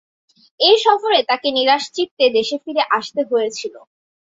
এ সফরে তাকে নিরাশ চিত্তে দেশে ফিরে আসতে হতে হয়েছিল।